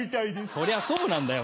そりゃそうなんだよ！